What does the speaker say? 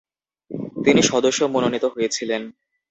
তিনি সদস্য মনোনীত হয়েছিলেন।